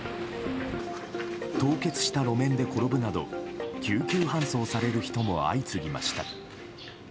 凍結した路面で転ぶなど救急搬送される人も相次ぎました。